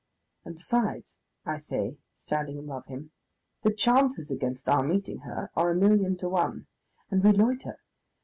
"And besides," I say, standing above him, "the chances against our meeting her are a million to one.... And we loiter!